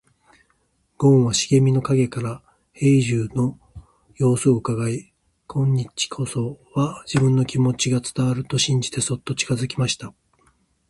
ごんは茂みの影から兵十の様子をうかがい、今日こそは自分の気持ちが伝わると信じてそっと近づきました。